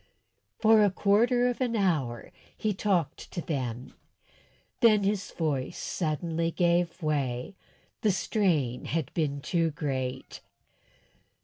For a quarter of an hour he talked to them, then his voice suddenly gave way, the strain had been too great.